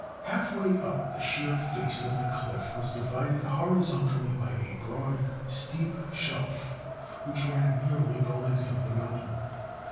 Half way up the sheer face of the cliff was divided horizontally by a broad, steep shelf which ran nearly the length of the mountain.